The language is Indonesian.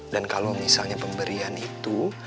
dan kalo misalnya pemberian itu